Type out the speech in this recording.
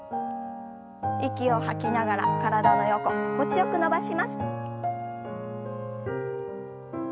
息を吐きながら体の横心地よく伸ばします。